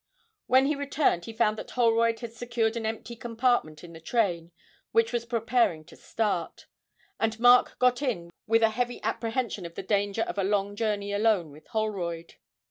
When he returned he found that Holroyd had secured an empty compartment in the train which was preparing to start, and Mark got in with a heavy apprehension of the danger of a long journey alone with Holroyd.